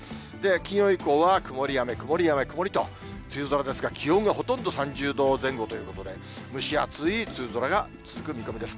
金曜以降は曇雨、曇雨、曇りと、梅雨空ですが、気温がほとんど３０度前後ということで、蒸し暑い梅雨空が続く見込みです。